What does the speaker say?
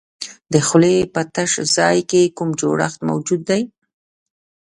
د خولې په تش ځای کې کوم جوړښت موجود دی؟